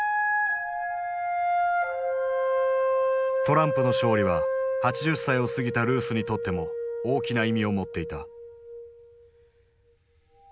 トランプの勝利は８０歳を過ぎたルースにとっても大きな意味を持っていた。